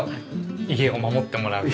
家を守ってもらうと。